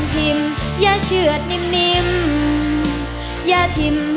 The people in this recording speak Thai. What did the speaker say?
ผ่านยกที่สองไปได้นะครับคุณโอ